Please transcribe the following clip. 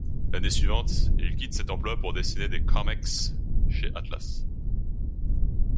L'année suivante, il quitte cet emploi pour dessiner des comics chez Atlas.